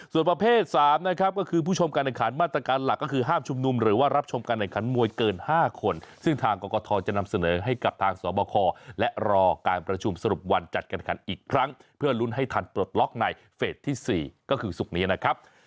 ส่วนประเภท๓นะครับก็คือผู้ชมการแข่งขันมาตรการหลักก็คือห้ามชุมนุมหรือว่ารับชมการแข่งขันมวยเกิน๕คนซึ่งทางกรกฐจะนำเสนอให้กับทางสวบคและรอการประชุมสรุปวันจัดการขันอีกครั้งเพื่อลุ้นให้ทันปลดล็อกในเฟสที่๔ก็คือศุกร์นี้นะครับ